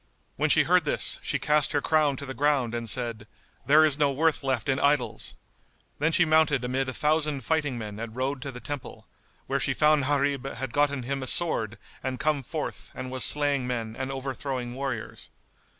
When she heard this, she cast her crown to the ground and said, "There is no worth left in idols!" Then she mounted amid a thousand fighting men and rode to the temple, where she found Gharib had gotten him a sword and come forth and was slaying men and overthrowing warriors.